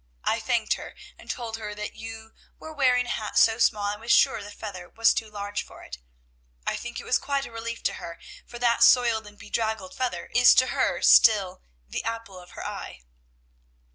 I thanked her, and told her that you were wearing a hat so small I was sure the feather was too large for it. I think it was quite a relief to her, for that soiled and bedraggled feather is to her still, 'the apple of her eye.'